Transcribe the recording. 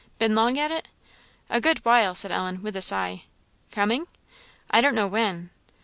Been long at it?" "A good while," said Ellen, with a sigh. "Coming?" "I don't know when."